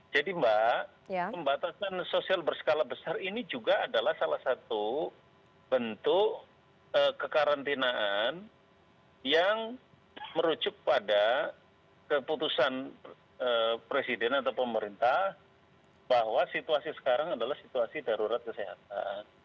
mbak pembatasan sosial berskala besar ini juga adalah salah satu bentuk kekarantinaan yang merujuk pada keputusan presiden atau pemerintah bahwa situasi sekarang adalah situasi darurat kesehatan